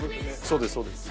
そうですそうです。